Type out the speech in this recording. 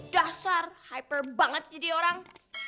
dasar hyper banget jadi orang